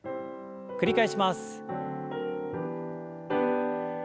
繰り返します。